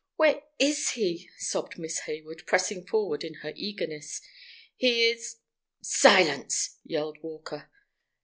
"Where is he?" sobbed Miss Hayward, pressing forward, in her eagerness. "He is—" "Silence!" yelled Walker.